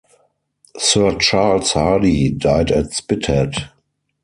Sir Charles Hardy died at Spithead.